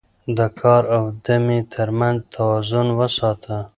د کار او دمې ترمنځ توازن وساته